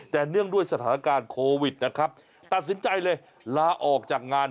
แต่เนื่องด้วยสถานการณ์โควิดนะครับตัดสินใจเลยลาออกจากงาน